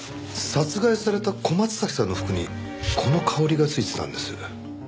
殺害された小松崎さんの服にこの香りが付いてたんです。